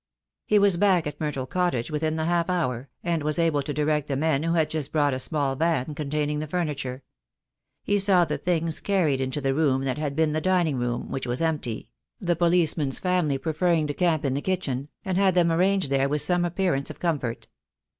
He was back at Myrtle Cottage within the half hour, and was able to direct the men who had just brought a small van containing the furniture. He saw the things carried into the room that had been the dining room, which was empty — the policeman's family preferring to camp in the kitchen — and had them arranged there wTith some appearance of comfort.